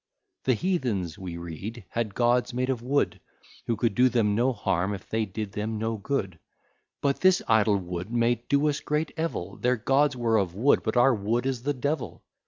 The Heathens, we read, had gods made of wood, Who could do them no harm, if they did them no good; But this idol Wood may do us great evil, Their gods were of wood, but our Wood is the devil.